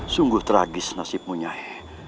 sunggguh tragis nasi punyai